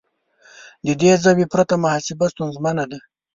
د دې ژبې پرته محاسبه ستونزمنه ده.